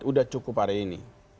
sudah cukup hari ini